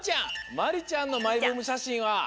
まりちゃんのマイブームしゃしんは？